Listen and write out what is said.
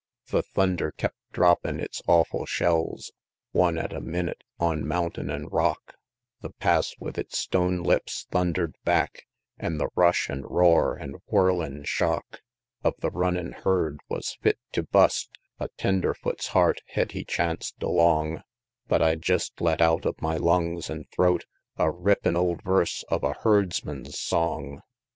The thunder kept droppin' its awful shells, One at a minute, on mountain an' rock: The pass with its stone lips thunder'd back; An' the rush an' roar an' whirlin' shock Of the runnin' herd wus fit tew bust A tenderfoot's heart hed he chanc'd along; But I jest let out of my lungs an' throat A rippin' old verse of a herdsman's song, XXXVI.